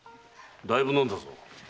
だいぶ飲んだぞ。